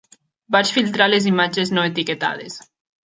Vaig filtrar les imatges no etiquetades.